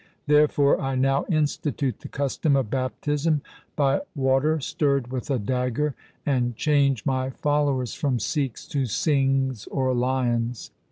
Therefore I now institute the custom of baptism by water stirred with a dagger, and change my followers from Sikhs to Singhs or lions.